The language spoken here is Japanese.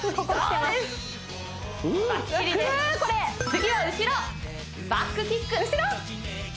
次は後ろバックキック後ろ？